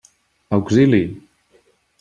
Auxili!